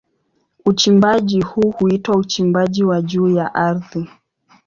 Uchimbaji huu huitwa uchimbaji wa juu ya ardhi.